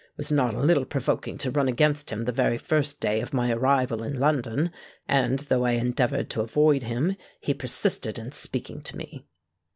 It was not a little provoking to run against him the very first day of my arrival in London; and, though I endeavoured to avoid him, he persisted in speaking to me."